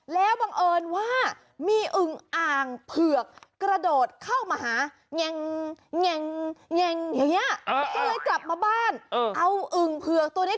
และบังเอิญว่ามีอึ่งอางเผือกกระโดดเข้ามาหานี่